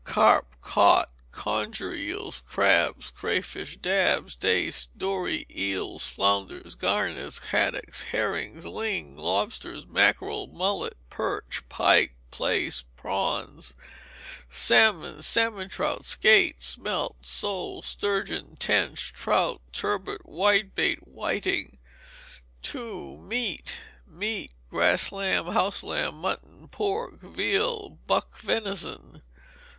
Carp, cod, conger eels, crabs, cray fish, dabs, dace, dory, eels, flounders, gurnets, haddocks, herrings, ling, lobsters, mackerel, mullet, perch, pike, plaice, prawns, salmon, salmon trout, skate, smelts, soles, sturgeon, tench, trout, turbot, whitebait, whiting. ii. Meat. Beef, grass lamb, house lamb, mutton, pork, veal, buck venison.